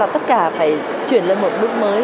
tất cả phải chuyển lên một bước mới